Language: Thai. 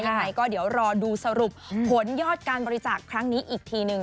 ยังไงก็เดี๋ยวรอดูสรุปผลยอดการบริจาคครั้งนี้อีกทีหนึ่ง